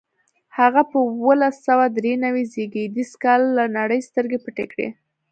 هغه په اوولس سوه درې نوي زېږدیز کال له نړۍ سترګې پټې کړې.